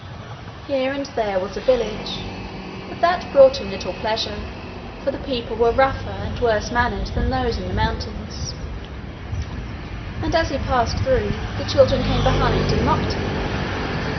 Here and there was a village, but that brought him little pleasure, for the people were rougher and worse mannered than those in the mountains, and as he passed through, the children came behind and mocked him.